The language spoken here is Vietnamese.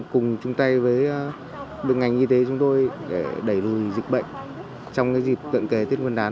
cùng chung tay với ngành y tế chúng tôi để đẩy lùi dịch bệnh trong dịp cận kề tiết quân đán sắp đến